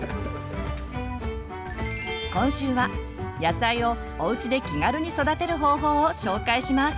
今週は野菜をおうちで気軽に育てる方法を紹介します。